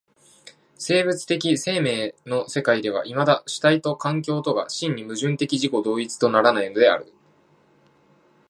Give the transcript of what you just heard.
生物的生命の世界ではいまだ主体と環境とが真に矛盾的自己同一とならないのである。